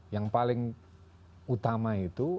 yang paling utama itu